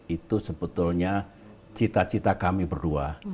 itu sebetulnya cita cita kami berdua